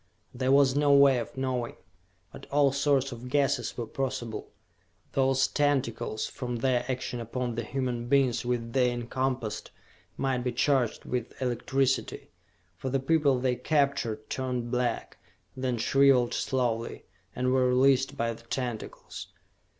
There was no way of knowing; but all sorts of guesses were possible. Those tentacles, from their action upon the human beings which they encompassed, might be charged with electricity. For the people they captured turned black, then shriveled slowly and were released by the tentacles....